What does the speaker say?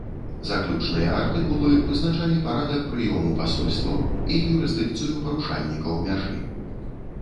Заключныя артыкулы вызначалі парадак прыёму пасольстваў і юрысдыкцыю парушальнікаў мяжы.